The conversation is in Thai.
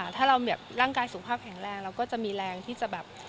ถ้าเราร่างกายสุขภาพแข็งแรงเราก็จะมีแรงที่จะแบบ